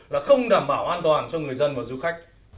là không đảm bảo an toàn cho người dân và du khách